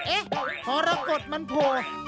เอ๊ะพอละกดมันโผล่